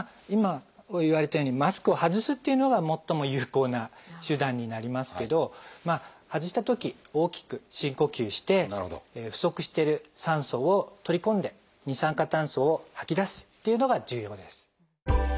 今言われたようにマスクを外すっていうのが最も有効な手段になりますけど外したとき大きく深呼吸して不足してる酸素を取り込んで二酸化炭素を吐き出すっていうのが重要です。